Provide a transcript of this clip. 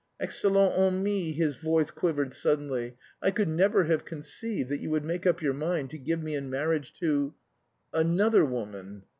"Excellente amie," his voice quivered suddenly. "I could never have conceived that you would make up your mind to give me in marriage to another... woman."